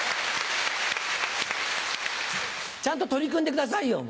ちゃんと取り組んでくださいよ。